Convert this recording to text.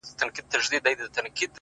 • زما پر خوار پوستين جگړه وه د زوى مړو ,